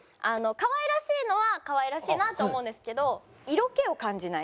かわいらしいのはかわいらしいなと思うんですけど色気を感じない。